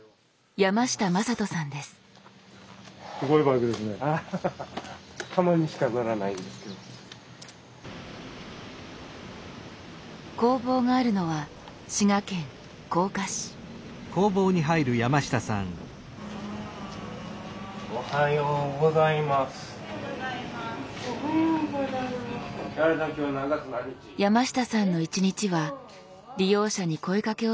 山下さんの一日は利用者に声かけをすることで始まります。